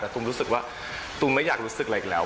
แต่ตุ้มรู้สึกว่าตูมไม่อยากรู้สึกอะไรอีกแล้ว